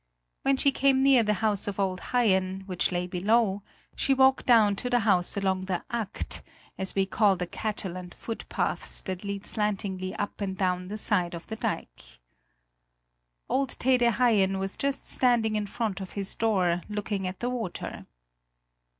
When she came near the house of old Haien, which lay below, she walked down to the houses along the "akt," as we call the cattle and foot paths that lead slantingly up and down the side of the dike. Old Tede Haien was just standing in front of his door, looking at the weather.